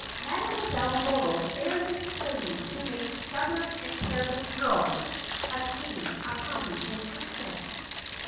Mademoiselle Loro fairly slaved to make stubborn and careless girls attain a Parisian accent.